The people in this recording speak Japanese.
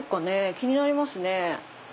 気になりますね。